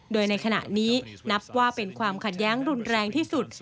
โดยในขณะนี้นับว่าเป็นความขัดแย้งรุนแรงที่สุด